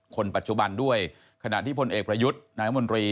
คนปัจจุบันด้วยขณะที่พลเอกประยุทธ์นายมนตรี